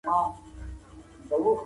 زه به د موسیقۍ زده کړه کړې وي.